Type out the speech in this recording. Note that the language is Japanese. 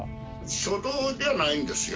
書道じゃないんですよ。